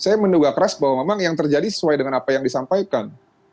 saya menduga keras bahwa memang yang terjadi sesuai dengan apa yang disampaikan